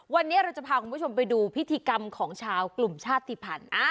วันนี้เราจะพาคุณผู้ชมไปดูพิธีกรรมของชาวกลุ่มชาติภัณฑ์